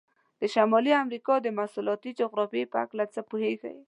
د شمالي امریکا د مواصلاتي جغرافیې په هلکه څه پوهیږئ؟